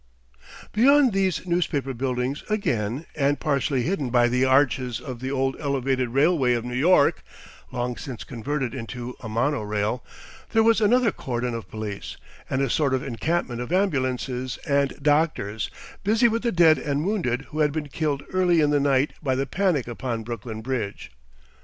Beyond these newspaper buildings again, and partially hidden by the arches of the old Elevated Railway of New York (long since converted into a mono rail), there was another cordon of police and a sort of encampment of ambulances and doctors, busy with the dead and wounded who had been killed early in the night by the panic upon Brooklyn Bridge.